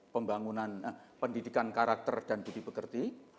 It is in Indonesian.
pertama yaitu pendidikan karakter dan budi pekerti